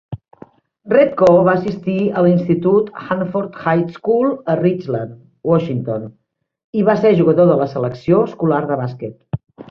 Repko va assistir a l'institut Hanford High School a Richland, Washington, i va ser jugador de la selecció escolar de bàsquet.